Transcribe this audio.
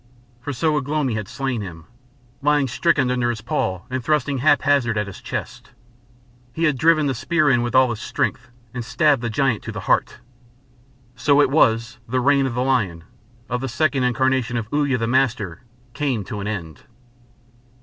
For so Ugh lomi had slain him, lying stricken under his paw and thrusting haphazard at his chest. He had driven the spear in with all his strength and stabbed the giant to the heart. So it was the reign of the lion, of the second incarnation of Uya the Master, came to an end.